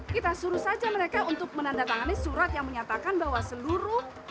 kita suruh saja mereka untuk menandatangani surat yang menyatakan bahwa seluruh